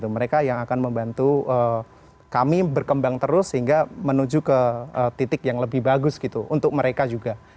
mereka yang akan membantu kami berkembang terus sehingga menuju ke titik yang lebih bagus gitu untuk mereka juga